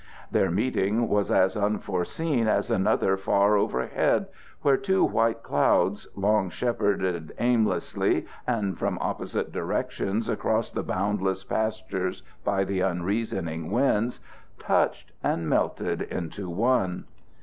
Their meeting was as unforeseen as another far overhead, where two white clouds, long shepherded aimlessly and from opposite directions across the boundless pastures by the unreasoning winds, touched and melted into one.